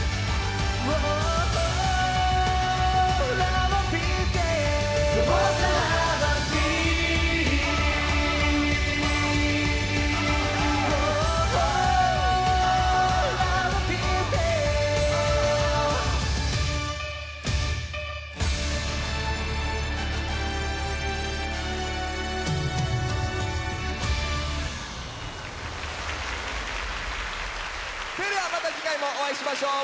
それではまた次回もお会いしましょう。